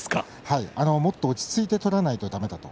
もっと落ち着いて取らないとだめだと。